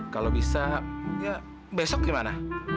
kalau bisa ya besok gimana